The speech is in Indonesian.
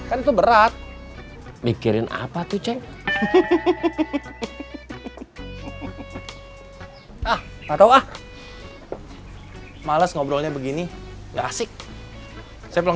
enak dong agad kerja villa harus nunggu yabook determinasi di samping